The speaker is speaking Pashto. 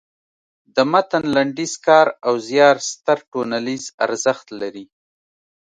د متن لنډیز کار او زیار ستر ټولنیز ارزښت لري.